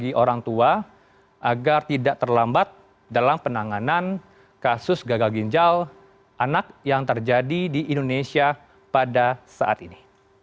bagi orang tua agar tidak terlambat dalam penanganan kasus gagal ginjal anak yang terjadi di indonesia pada saat ini